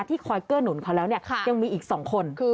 ที่คอยเกื้อนหนุนเขาแล้วยังมีอีกสองคน